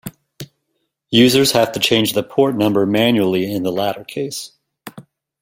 Users have to change the port number manually in the latter case.